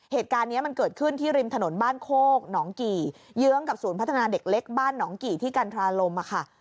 เหตุการณ์นี้มันเกิดขึ้นที่ริมถนนบ้านโคกหนองกี่เยื้องกับศูนย์พัฒนาเด็กเล็กบ้านหนองกี่ที่กันทราลมค่ะ